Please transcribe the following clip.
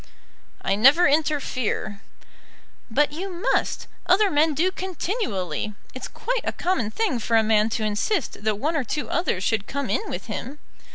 "I never interfere." "But you must. Other men do continually. It's quite a common thing for a man to insist that one or two others should come in with him."